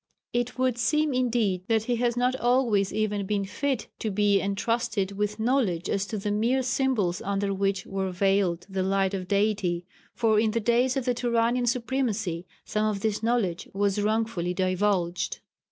It would seem indeed that he has not always even been fit to be entrusted with knowledge as to the mere symbols under which were veiled the light of Deity, for in the days of the Turanian supremacy some of this knowledge was wrongfully divulged.